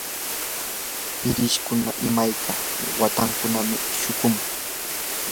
irishkuna imayka waytakunatam shuqun.